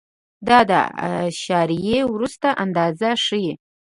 دا د اعشاریې وروسته اندازه ښیي.